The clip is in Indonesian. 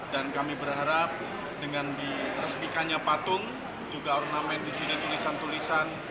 kami berharap dengan diresmikannya patung juga ornamen di sini tulisan tulisan